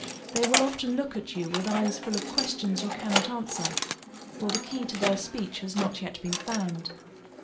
They will often look at you with eyes full of questions you cannot answer, for the key to their speech has not yet been found.